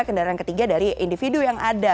kendaraan ketiga dari individu yang ada